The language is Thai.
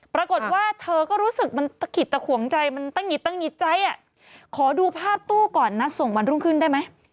ปรากฏว่าเธอก็รู้สึกมันตะขิดตะขวงใจมันตั้งหิดตั้งหิดใจอ่ะขอดูภาพตู้ก่อนนัดส่งวันรุ่งขึ้นได้ไหม